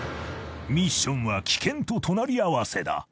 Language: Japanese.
［ミッションは危険と隣り合わせだ］